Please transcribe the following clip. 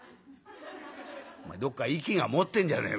「お前どっか息が漏ってんじゃねえか」。